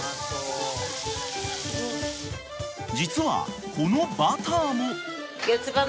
［実はこのバターも］